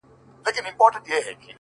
• ما یي سرونه تر عزت جارول,